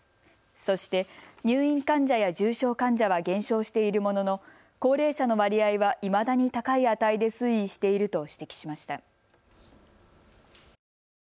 そして、入院患者や重症患者は減少しているものの、高齢者の割合はいまだに高い値で推移していると指摘しました。